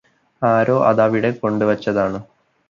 ആരോ അതവിടെ കൊണ്ടുവച്ചതാണ്